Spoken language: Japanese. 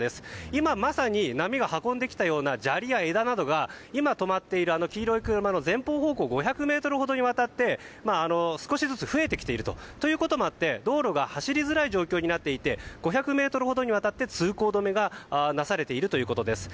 今まさに波が運んできた砂利や枝などが今止まっている黄色い車の前方５００ｍほどにわたって少しずつ増えてきているということもあって道路が走りづらい状況になっていて５００ｍほどにわたって通行止めがなされているということです。